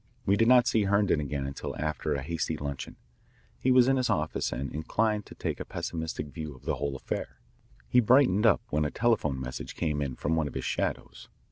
We did not see Herndon again until after a hasty luncheon. He was in his office and inclined to take a pessimistic view of the whole affair. He brightened up when a telephone message came in from one of his shadows.